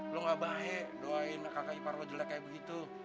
lo gak baik doain kakak ipar kalau jelek kayak begitu